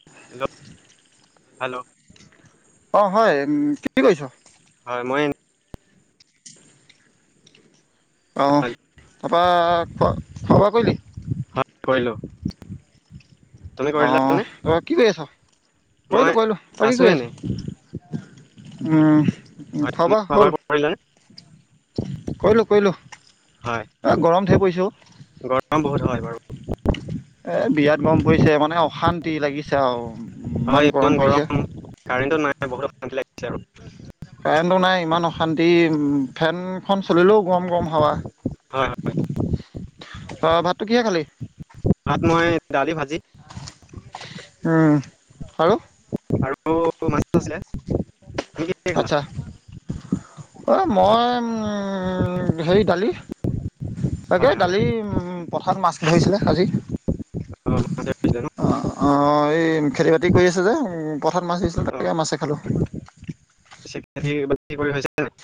[unintelligible] Hello hello. অঁ হয়, কি কৰিছ? হয় মই। অ', তাপা খোৱা, খোৱা বোৱা কৰিলি? হয় কৰিলোঁ। তুমি কৰিলানে অ', কি কৰি আছ? মই কইলো, কইলো তই কি আছোঁ কৰি এনেই আছ? উম, হয় খোৱা তুমি বোৱা হ'ল? কৰিলানে কৰিলোঁ, কৰিলোঁ হয় এই গৰম ধেই পৰিছে অ'। গৰম বহুত হয় বাৰু। এ বিৰাট গৰম পৰিছে মানে, অশান্তি লাগিছে আও ইমান গৰম পৰিছে। কাৰেণ্টটো নাই, বহুত গৰম লাগিছে আৰু। কাৰেণ্টটো নাই, ইমান অশান্তি ফেন। ফেনখন চলিলেও গৰম গৰম হাৱা হয় হয় অ', ভাতটো কিহে খালি? ভাত মই, দালি, ভাজি। উম আৰু। আৰু মাছ আছিলে। তুমি কি খালা আচ্ছা। অ', মই হেৰি দালি। হয় তাকেই হয় দালি পথাৰত ধৰিচিলে আজি। অ', অঁ মাছ ধৰিছিলে ন আহ এই খেতি বাতি কৰি আছে যে উম। পথাৰত মাছ ধৰিছিলে অঁ তাকে মাছে খালোঁ। কৰি হৈছে [unintelligible]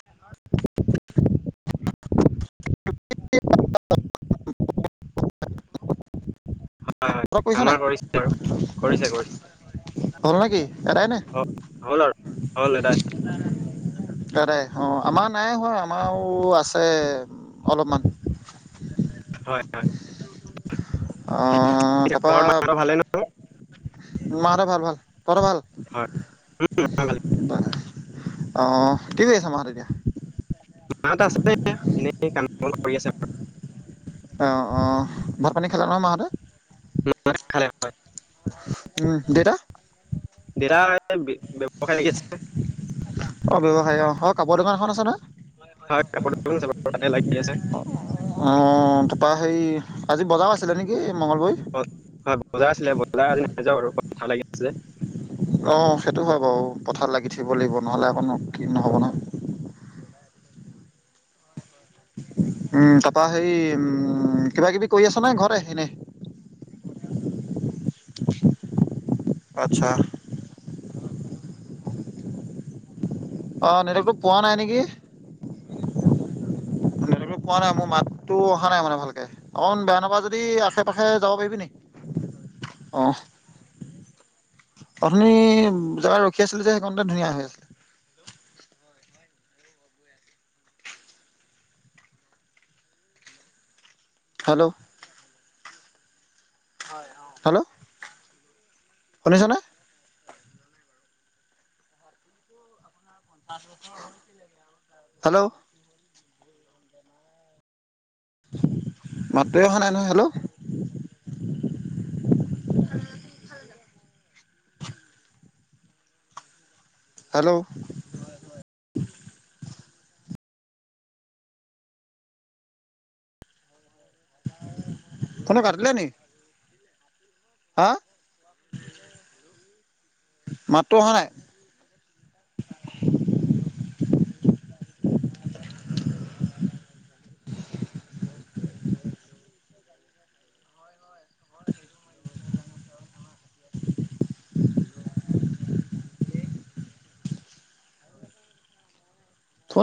হয়, হয় তই কৰিছ নাই আমাৰ কৰিছে আৰু কৰিছে, কৰিছে। হ'ল নেকি এটাইনে। অঁ হ'ল আৰু হ'ল দাদা আদাই অ', আমাৰ নাই হয় আমাৰো আছে অলপমান। হয়, হয়। অ', পিছে তা পা ঘৰত মাহঁতৰ ভালে নহয় মাহত ভাল, ভাল তহত ভাল? উম ভালেই। হয়, অ', কি কৰিছে মাহত এতিয়া। মা হত আছে এনে। এনে কাম। বন কৰি আছে বাৰু। অ', অ' ভাত পানী খালে ন মাহঁতে? মায়ে খালে হয়। উম, দেতা? দেউতা ব্যৱসায় লাগি আছে। অ', ব্যৱসায় অ', কাপোৰ দোকান এখন আছে ন? হয় কাপোৰ তাতে লাগি আছে। অ', তাৰপৰা হেৰি আজি বজাৰ আছিলে নেকি মঙলদৈ। হয়, বজাৰ আছিলে বজাৰ আজি নাই যোৱা বাৰু পথাৰত লাগি আছে যে। অ', সেইটো হয় বাও, পথাৰ লাগি থাকিব লাগিব নহলে আকৌ কি নহ'ব ন। উম, তাপা হেই উম কিবা কিবি কৰি আছ নে! ঘৰত এনে। আছা। অ', নেটৱৰ্ক টো পোৱা নাই নেকি? কোৱা নাই, মোৰ মাতটো অহা নাই মানে, ভালকৈ। অকন বেয়া নাপা যদি আশে পাশে যাব পাৰিবি নি অ'। অথনি, জেগা ৰখি আছিল যে সেইকণতে ধুনীয়া হৈ আছিল। হেল্ল'। হেল্ল'। শুনিছনে। হেল্ল'। মাটো অহা নাই নহয়, হেল্ল'। হেল্ল' ফোনটো কাটিলে নি হা, মাত টো অহা নাই! [inaudible]